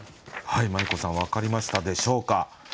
まい子さん分かりましたでしょうか。